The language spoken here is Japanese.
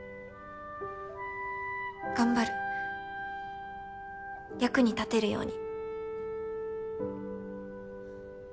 頑張る役に立てるように。